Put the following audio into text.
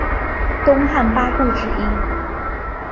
东汉八顾之一。